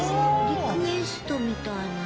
リクエストみたいなの。